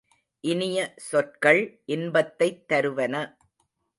இனிய சொற்கள் இன்பத்தைத் தருவன.